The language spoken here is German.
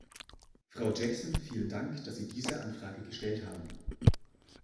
Frau Jackson, vielen Dank, dass Sie diese Anfrage gestellt haben.